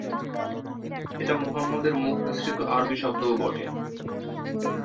এটা মুহাম্মদ এর মুখ নিঃসৃত আরবি শব্দও বটে।